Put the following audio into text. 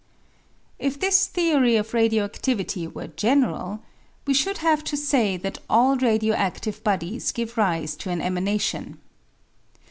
If this theory of radio adivity were general, we should have to say that all radio adive bodies give rise to an emanation.